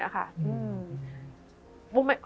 อย่างนี้นะคะ